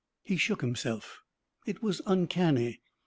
He shook himself. It was uncanny.